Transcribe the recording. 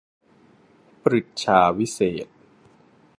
ปฤจฉาวิเศษณ์